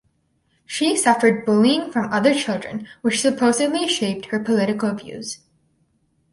She suffered bullying from other children which supposedly shaped her political views.